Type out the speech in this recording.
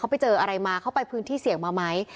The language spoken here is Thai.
ไปเจออะไรมาเขาไปพื้นที่เสี่ยงมาไหม